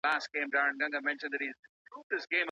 که ښوونکی نرم چلند وکړي نو زده کوونکي ورسره مینه کوي.